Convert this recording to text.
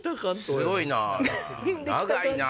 すごいな！